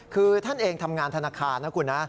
คือท่านเองทำงานธนาคารนะคุณนะ